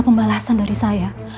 pembalasan dari saya